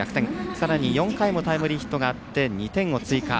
さらに４回もタイムリーヒットがあって２点を追加。